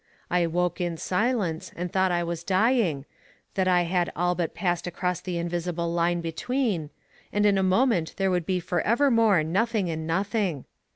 I woke in silence, and thought I was dying, that I had all but passed across the invisible line between, and in a moment there would be for evermore nothing and nothing.